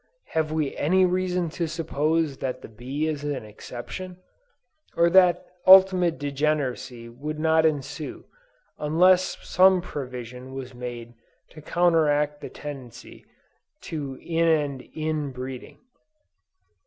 Have we any reason to suppose that the bee is an exception? or that ultimate degeneracy would not ensue, unless some provision was made to counteract the tendency to in and in breeding?